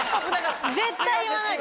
絶対言わないで。